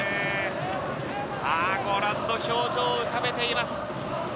ご覧の表情を浮かべています。